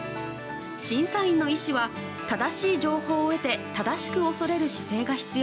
審査員の医師は正しい情報を得て正しく恐れる姿勢が必要。